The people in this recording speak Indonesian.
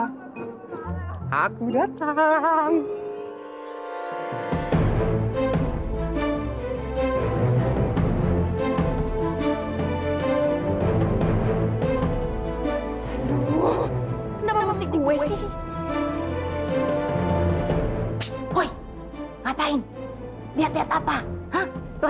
kamu yang itu kebayangnya dulu suaru